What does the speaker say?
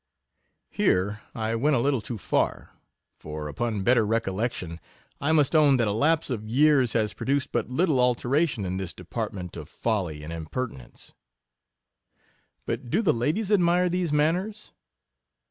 Here I went a little too far; for, upon better recol lection, I must own that a lapse of years has produced but little alteration in this depart ment of folly and impertinence. But do the ladies admire these manners!